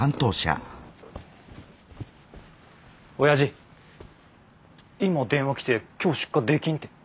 おやじ今電話来て今日出荷できんって。